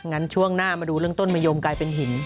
ช่วงหน้ามาดูเรื่องต้นมะยมกลายเป็นหิน